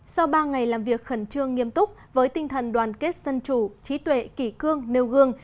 sau ba ngày làm việc khẩn trương nghiêm túc với tinh thần đoàn kết dân chủ trí tuệ kỷ cương nêu gương